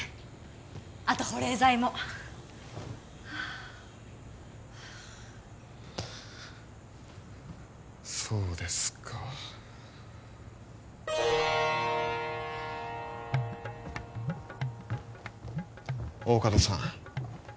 あと保冷剤もはあっそうですか大加戸さん